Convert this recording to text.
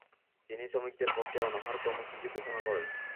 তিনি শ্রমিকদের পক্ষে অনাহার কর্মসূচি ঘোষণা করেন।